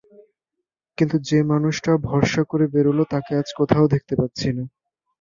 কিন্তু যে মানুষটা ভরসা করে বেরোল তাকে আজ কোথাও দেখতে পাচ্ছি নে।